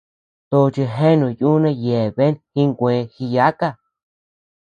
Tochi jeanu yuna yeabean jinkue jiyáka.